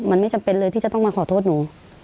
มันไม่จำเป็นเลยที่จะต้องมาขอโทษหนู